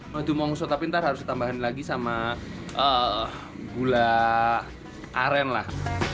madu mongso tapi ntar harus ditambahin lagi sama gula aren lah